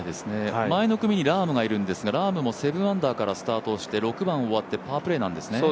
前の組にラームがいるんですがラームも７アンダーからスタートして６番終わってパープレーなんですね